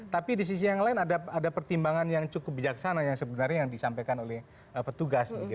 tapi di sisi yang lain ada pertimbangan yang cukup bijaksana yang sebenarnya yang disampaikan oleh petugas